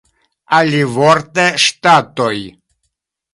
Alivorte ŝtatoj.